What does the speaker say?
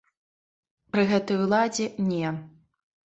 Пры гэтай уладзе, не.